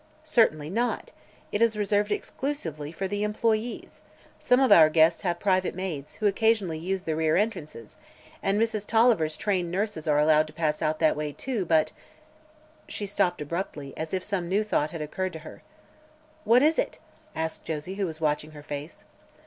"Certainly not. It is reserved exclusively for the employees. Some of our guests have private maids, who occasionally use the rear entrances, and Mrs. Tolliver's trained nurses are allowed to pass out that way, too; but " She stopped abruptly, as if some new thought had occurred to her. "What is it?" asked Josie, who was watching her face.